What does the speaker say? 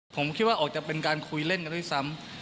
ผมคิดว่าออกจะเป็นการคุยเล่นกันด้วยซ้ำ